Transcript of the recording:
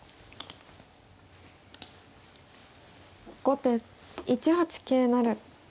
後手１八桂成。